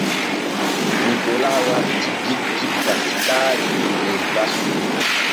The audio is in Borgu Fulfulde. Nikola wattii bikki Pasiikaali der basu.